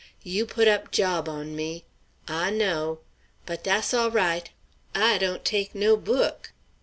You put op jawb on me; I know. But dass all right _I don't take no book.